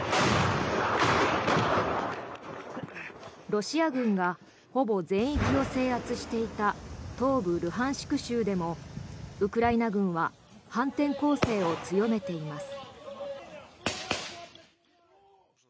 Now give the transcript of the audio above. ロシア軍がほぼ全域を制圧していた東部ルハンシク州でもウクライナ軍は反転攻勢を強めています。